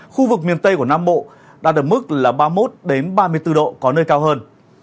khu vực miền tây của nam bộ đạt được mức là ba mươi một ba mươi bốn độ có nơi cao hơn